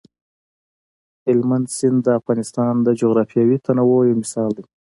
هلمند سیند د افغانستان د جغرافیوي تنوع یو مثال دی.